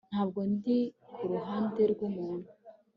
Ntabwo ndi ku ruhande rwumuntu